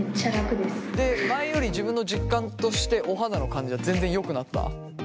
前より自分の実感としてお肌の感じが全然よくなった？